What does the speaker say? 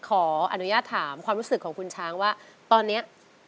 ขออนุญาตถามความรู้สึกของคุณช้างว่าตอนนี้